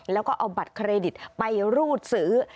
แล้วก็เอาบัตรเครดิตไปรูดซื้อ